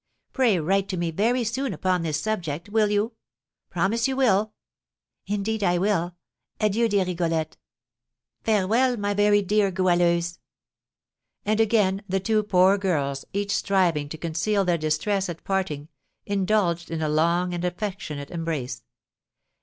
Pray write to me very soon upon this subject, will you? Promise you will!" "Indeed I will! Adieu, dear Rigolette!" "Farewell, my very dear Goualeuse!" And again the two poor girls, each striving to conceal their distress at parting, indulged in a long and affectionate embrace.